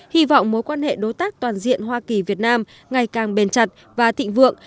hy vọng mối quan hệ đối tác toàn diện hoa kỳ việt nam ngày càng bền chặt và thịnh vượng